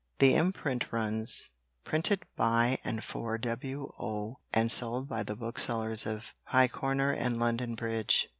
The imprint runs: "Printed by and for W. O. and sold by the Booksellers of Pyecorner and London Bridge."